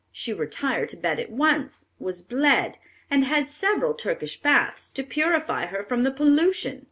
"She retired to bed at once, was bled, and had several Turkish baths, to purify her from the pollution.